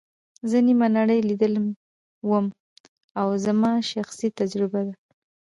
زه نیمه نړۍ لیدلې وم او دا زما شخصي تجربه ده.